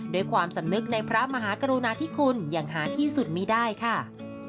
ด้วยความสำนึกในพระมหากรุณาธิคุณอย่างหาที่สุดมีได้ค่ะ